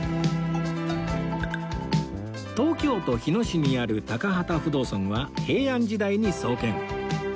東京都日野市にある高幡不動尊は平安時代に創建